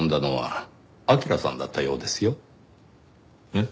えっ？